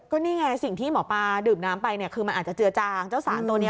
ก็นี่ไงสิ่งที่หมอปลาดื่มน้ำไปเนี่ยคือมันอาจจะเจือจางเจ้าสารตัวนี้